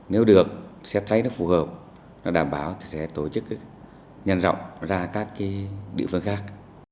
nếu được xét thấy nó phù hợp nó đảm bảo thì sẽ tổ chức nhân rộng ra các địa phương khác